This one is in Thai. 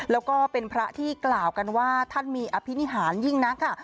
แล้วก็เป็นพระที่กล่าวกันว่าท่านมีอภินิหารยิ่งนักค่ะ